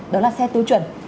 đó là xe tiêu chuẩn